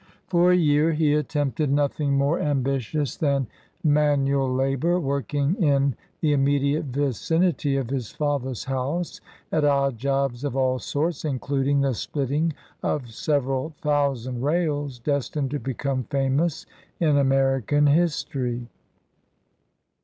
For a year he attempted nothing more ambi 27 LINCOLN THE LAWYER tious than manual labor, working in the imme diate vicinity of his father's house at odd jobs of all sorts, including the splitting of several thou sand rails destined to become famous in Ameri can history.